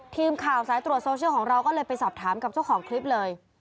ทีมข่าวสายตรวจโซเชียลของเราก็เลยไปสอบถามกับเจ้าของคลิปเลย